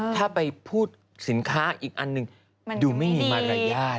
ถ้าไปพูดสินค้าอีกอันหนึ่งดูไม่มีมารยาท